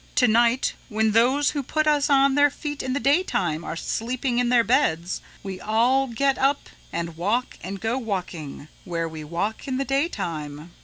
To night when those who put us on their feet in the daytime, are sleeping in their beds, we all get up and walk and go walking where we walk in the daytime.'